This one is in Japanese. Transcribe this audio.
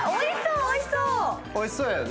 おいしそうやよね。